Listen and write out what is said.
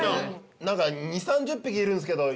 ２０３０匹いるんすけど。